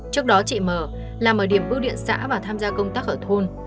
trước đó chị m làm ở điểm bưu điện xã và tham gia công tác ở thôn